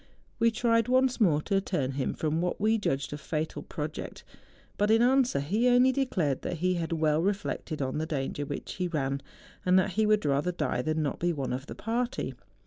We tried once more to turn him from what we judged a fatal pro¬ ject; but in answer he only declared that he had well reflected on the danger which he ran, and that he would rather die than not be one of the party.